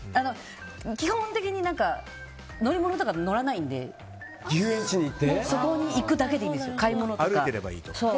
基本的に乗り物とか乗らないのでそこに行くだけでいいんです買い物とか。